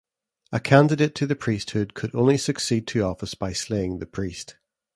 A candidate to the priesthood could only succeed to office by slaying the priest.